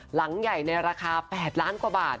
หลังใหญ่ในราคา๘ล้านกว่าบาท